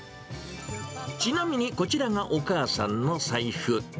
ちなみにこちらがお母さんの財布。